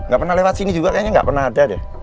gak pernah lewat sini juga kayaknya nggak pernah ada deh